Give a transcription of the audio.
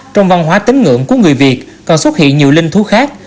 trong văn hóa tính ngưỡng của người việt còn xuất hiện nhiều linh thú khác